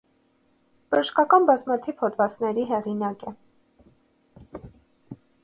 Բժշկական բազմաթիվ հոդվածների հեղինակ է։